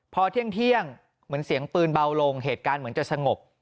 พอเที่ยงเหมือนเสียงปืนเบาลงเหตุการณ์เหมือนจะสงบ